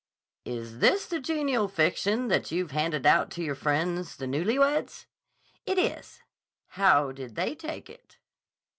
"Is this the genial fiction that you've handed out to your friends, the newly weds?" "It is." "How did they take it?"